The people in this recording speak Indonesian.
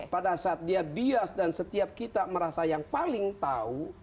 pada saat dia bias dan setiap kita merasa yang paling tahu